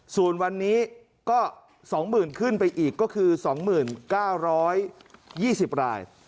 ส่วนวันนี้ก็๒๐๐๐ขึ้นไปอีกก็คือ๒๙๒๐ราย